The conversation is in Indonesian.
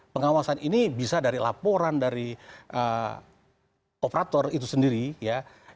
pengawasan ini bisa dari laporan dari operator itu sendiri ya